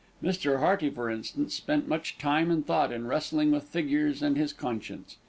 Mr. Hearty, for instance, spent much time and thought in wrestling with figures and his conscience.